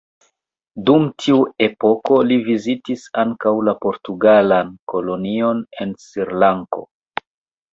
Dum tiu epoko li vizitis ankaŭ la portugalan kolonion en Srilanko.